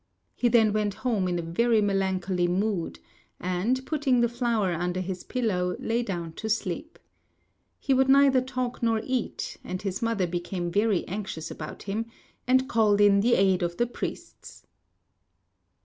He then went home in a very melancholy mood; and, putting the flower under his pillow, lay down to sleep. He would neither talk nor eat; and his mother became very anxious about him, and called in the aid of the priests.